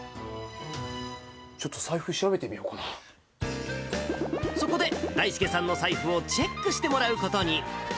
ちょっと財布、調べてみようそこで、だいすけさんの財布をチェックしてもらうことに。